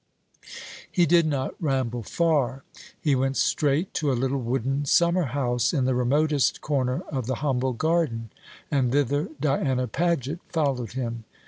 He did not ramble far. He went straight to a little wooden summer house in the remotest corner of the humble garden; and thither Diana Paget followed him.